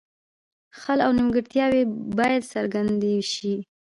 خل او نیمګړتیاوې باید څرګندې شي.